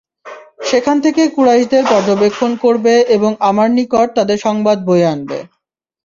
সেখানে থেকে কুরাইশদের পর্যবেক্ষণ করবে এবং আমার নিকট তাদের সংবাদ বয়ে আনবে।